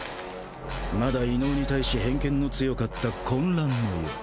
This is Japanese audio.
まだ異能に対し偏見の強かった混乱の世。